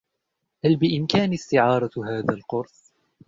هل بإمكاني استعارة هذا القرص؟